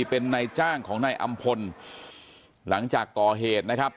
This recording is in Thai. เป็นนายจ้างของนายอำพลหลังจากก่อเหตุนะครับ